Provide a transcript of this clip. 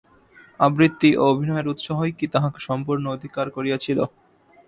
আবৃত্তি ও অভিনয়ের উৎসাহই কি তাহাকে সম্পূর্ণ অধিকার করিয়াছিল?